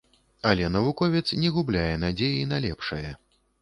Але навуковец не губляе надзеі на лепшае.